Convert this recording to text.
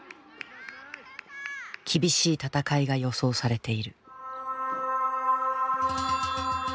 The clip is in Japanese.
厳しい戦いが予想されている。